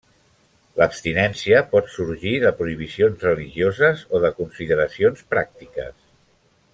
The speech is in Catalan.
L'abstinència pot sorgir de prohibicions religioses o de consideracions pràctiques.